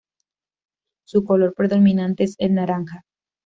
Su color predominante es el naranja.